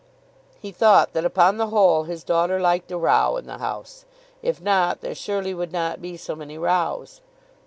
He thought that upon the whole his daughter liked a row in the house. If not, there surely would not be so many rows.